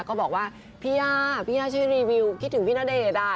ก็บอกว่าพี่ย่าพี่ย่าช่วยรีวิวคิดถึงพี่ณเดชน์อ่ะ